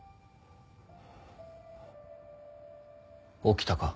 起きたか。